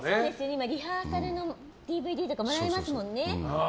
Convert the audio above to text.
今、リハーサルのＤＶＤとかもらえますもんね。